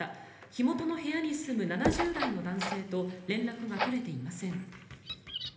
火元の部屋に住む７０代の男性と連絡が取れていません。